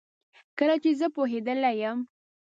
کله چي زه پوهیدلې یم